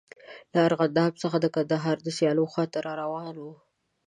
له ارغنداب څخه د کندهار د سیلو خواته را روان وو.